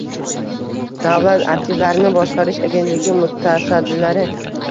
Davlat aktivlarini boshqarish agentligi mutasaddilari